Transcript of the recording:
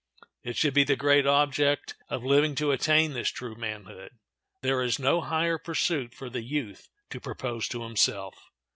It should be the great object of living to attain this true manhood. There is no higher pursuit for the youth to propose to himself.